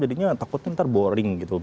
jadinya takut nanti boring gitu